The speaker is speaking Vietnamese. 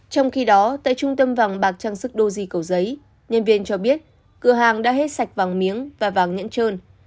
trong khi đó tại trung tâm vàng bạc trang sức đô di cầu giấy nhân viên cho biết cửa hàng đã hết sạch vàng miếng và vàng nhẫn trơn